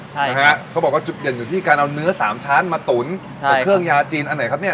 ใช่นะฮะเขาบอกว่าจุดเด่นอยู่ที่การเอาเนื้อสามชั้นมาตุ๋นใช่เป็นเครื่องยาจีนอันไหนครับเนี่ย